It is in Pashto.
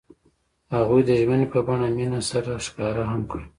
هغوی د ژمنې په بڼه مینه سره ښکاره هم کړه.